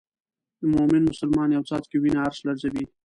د مومن مسلمان یو څاڅکی وینه عرش لړزوي.